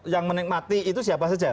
yang menikmati itu siapa saja